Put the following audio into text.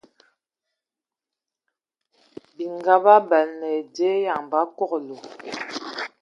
Bininga ba bələna ai dze eyoŋ ba kəlɔg.